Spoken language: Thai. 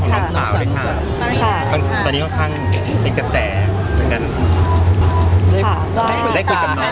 เหมือนกับน้องสาวสำหรับกระแส